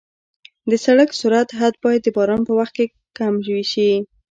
د سړک سرعت حد باید د باران په وخت کم شي.